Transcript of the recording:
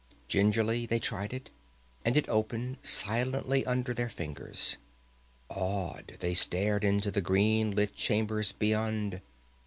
Gingerly they tried it, and it opened silently under their fingers. Awed, they stared into the green lit chambers beyond.